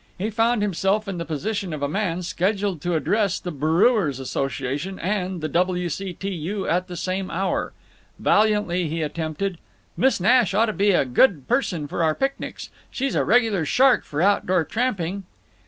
He found himself in the position of a man scheduled to address the Brewers' Association and the W. C. T. U. at the same hour. Valiantly he attempted: "Miss Nash oughta be a good person for our picnics. She's a regular shark for outdoor tramping."